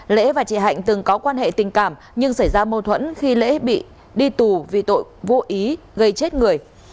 lễ và chị hạnh từng có quan hệ tình cảm nhưng xảy ra mâu thuẫn khi lễ bị đi tù vì tội vô ý gây chết người